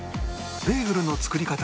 ベーグルの作り方